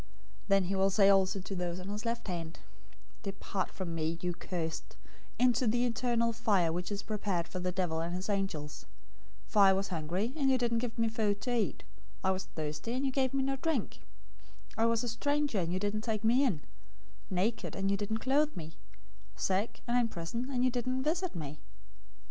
025:041 Then he will say also to those on the left hand, 'Depart from me, you cursed, into the eternal fire which is prepared for the devil and his angels; 025:042 for I was hungry, and you didn't give me food to eat; I was thirsty, and you gave me no drink; 025:043 I was a stranger, and you didn't take me in; naked, and you didn't clothe me; sick, and in prison, and you didn't visit me.'